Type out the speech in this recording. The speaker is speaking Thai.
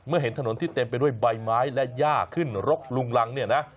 เห็นถนนที่เต็มไปด้วยใบไม้และย่าขึ้นรกลุงรังเนี่ยนะ